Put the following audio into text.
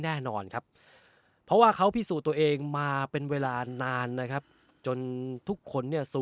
แน่นอนครับเพราะว่าเขาพิสูจน์ตัวเองมาเป็นเวลานานนะครับจนทุกคนเนี่ยสู้